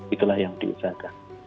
itulah yang diusahakan